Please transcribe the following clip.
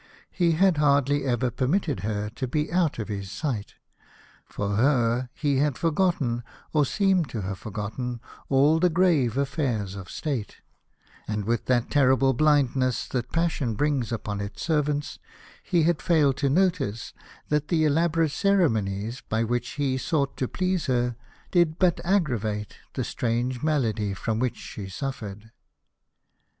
He had hardly ever permitted her to be out of his sight ; for her, he had forgotten, or seemed to have forgotten, all grave affairs of State ; and, with that terrible blindness that passion brings A House of Pomegranates. upon its servants, he had failed to notice that the elaborate ceremonies by which he sought to please her did but aggravate the strange malady from which she suffered.